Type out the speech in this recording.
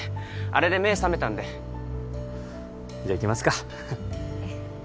あれで目覚めたんでじゃいきますかええ